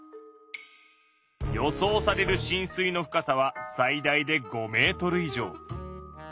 予想されるしん水の深さは最大で５メートル以上。